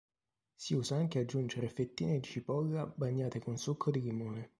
Si usa anche aggiungere fettine di cipolla bagnate con succo di limone.